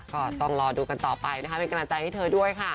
ก็ต้องรอดูกันต่อไปนะคะเป็นกำลังใจให้เธอด้วยค่ะ